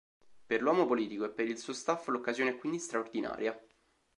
Per l'uomo politico e per il suo staff l'occasione è quindi straordinaria.